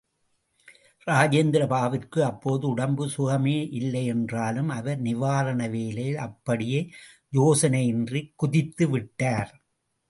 ராஜேந்திர பாபுவிற்கு அப்போது உடம்பு சுகமே இல்லை.என்றாலும், அவர் நிவாரண வேலையில் அப்படியே யோசனையின்றிக் குதித்து விட்டார்.